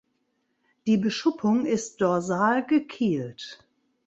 Die Beschuppung ist dorsal gekielt.